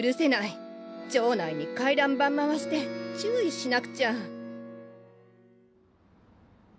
町内に回覧板回して注意しなくちゃ。